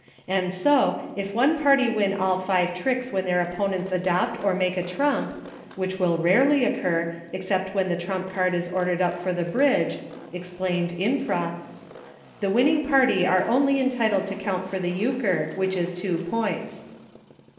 And if one party win all five tricks when their op ponents adopt or make a trump, which will rarely occur, except when the trump car ordered up for the Bridge, — explained infra, — the winning party are only entitled to c for the Euchre, which is two points.